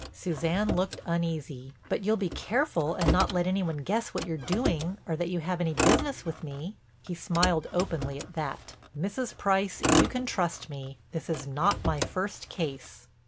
Suzanne looked uneasy: "But you'll be careful, and not let any one guess what you're doing or that you have any business with me?" He smiled openly at that: "Mrs. Price, you can trust me. This is not my first case."